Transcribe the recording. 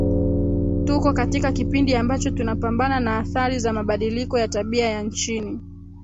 Tuko katika kipindi ambacho tunapambana na athari za mabadiliko ya Tabia ya nchini